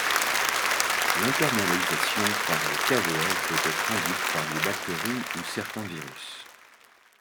L’internalisation par les cavéoles peut être induite par des bactéries ou certains virus.